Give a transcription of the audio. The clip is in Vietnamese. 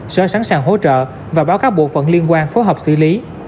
sở sẵn sàng hỗ trợ và báo các bộ phận liên quan phối hợp xử lý